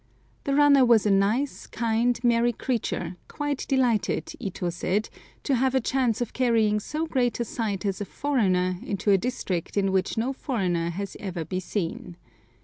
The runner was a nice, kind, merry creature, quite delighted, Ito said, to have a chance of carrying so great a sight as a foreigner into a district in which no foreigner has even been seen.